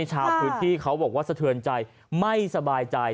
ชาวพื้นที่เขาบอกว่าสะเทือนใจไม่สบายใจ